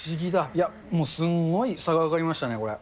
いや、もうすんごい差が分かりましたね。